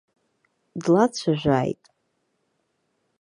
Длацәажәааит.